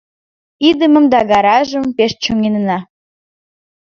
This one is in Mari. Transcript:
Идымым да гаражым пеш чоҥынена.